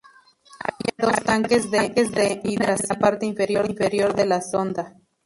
Había dos tanques de hidracina en la parte inferior de la sonda.